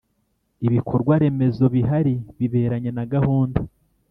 ibikorwaremezo bihari biberanye na gahunda